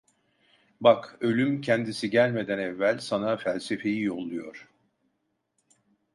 Bak, ölüm kendisi gelmeden evvel sana felsefeyi yolluyor.